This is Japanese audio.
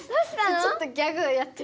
ちょっとギャグをやってみた英語で。